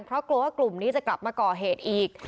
เพราะกลัวว่ากลุ่มนี้จะกลับมาก่อเหตุอีก